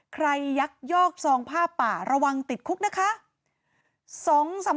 ยักยอกซองผ้าป่าระวังติดคุกนะคะ